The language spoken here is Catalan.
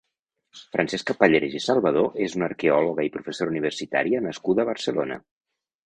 Francesca Pallarès i Salvador és una arqueòloga i professora universitària nascuda a Barcelona.